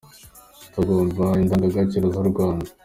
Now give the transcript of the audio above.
Tugomba indangagaciro zu Rwanda.